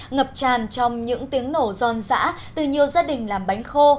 ngập tràn trong những tiếng nổ giòn dã từ nhiều gia đình làm bánh khô